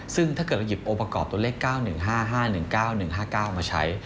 ซึ่งถ้าเกิดเราหยิบองค์ประกอบตัวเลข๙๑๕๕๑๙๑๕๙มาใช้